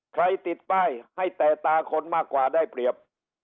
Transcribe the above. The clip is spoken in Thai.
ติดป้ายให้แต่ตาคนมากกว่าได้เปรียบ